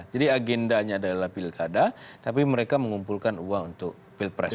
jadi agendanya adalah pilkada tapi mereka mengumpulkan uang untuk pilpres